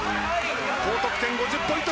高得点５０ポイント風船。